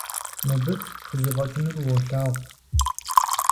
Мыбы хузэфӀэкӀынур уолъагъу.